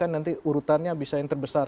nanti urutannya bisa yang terbesar